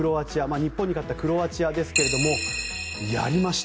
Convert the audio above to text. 日本に勝ったクロアチアですがやりました